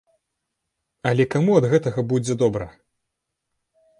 Але каму ад гэтага будзе добра?